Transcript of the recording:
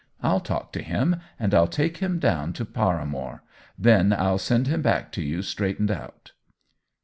I'll talk to him, and I'll take him down to Paramore ; then I'll send him back to you straightened out."